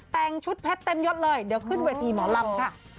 แต่งชุดเพชรเต็มยดเลยเดี๋ยวขึ้นเวทีหมอลำค่ะ